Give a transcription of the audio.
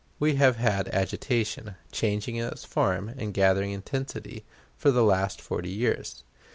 We have had agitation, changing in its form, and gathering intensity, for the last forty years.